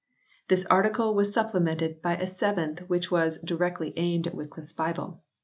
This article was supple mented by a seventh which was directly aimed at Wycliffe s Bible.